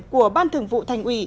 của ban thường vụ thành ủy